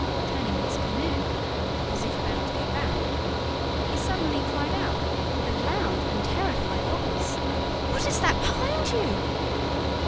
Turning his canoe as if about to go back, he suddenly cried out with a loud and terrified voice: "WHAT IS THAT BEHIND YOU?"